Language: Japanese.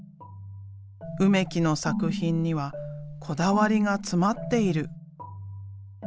梅木の作品にはこだわりが詰まっている。